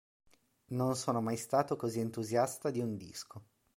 Non sono mai stato così entusiasta di un disco.